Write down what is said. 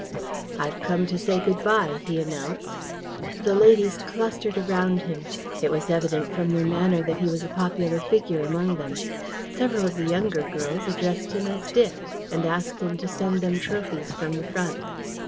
"I've come to say good bye," he announced. The ladies clustered around him. It was evident from their manner that he was a popular figure among them. Several of the younger girls addressed him as "Dick," and asked him to send them trophies from the front.